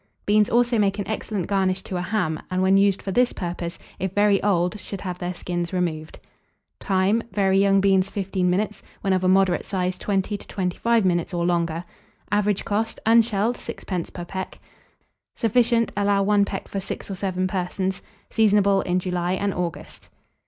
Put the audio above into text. Beans also make an excellent garnish to a ham, and when used for this purpose, if very old, should have their skins removed. Time. Very young beans, 15 minutes; when of a moderate size, 20 to 25 minutes, or longer. Average cost, unshelled, 6d. per peck. Sufficient. Allow one peck for 6 or 7 persons. Seasonable in July and August.